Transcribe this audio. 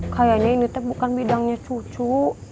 kayanya ini teh bukan bidangnya cucu